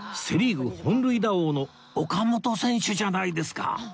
セ・リーグ本塁打王の岡本選手じゃないですか！